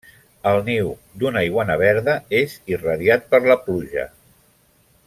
El niu d'una iguana verda és irradiat per la pluja.